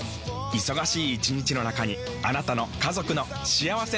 忙しい一日の中にあなたの家族の幸せな時間をつくります。